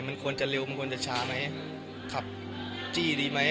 มันควรจะเร็วมันควรจะช้าไหมขับจี้ดีไหม